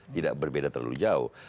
tidak berbeda terlalu jauh